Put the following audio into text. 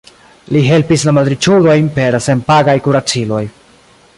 Li helpis la malriĉulojn per senpagaj kuraciloj.